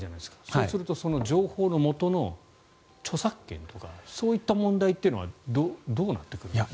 そうするとその情報のもとの著作権とかそういった問題というのはどうなってくるんですか？